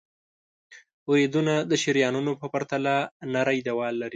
وریدونه د شریانونو په پرتله نری دیوال لري.